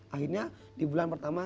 akhirnya di bulan pertama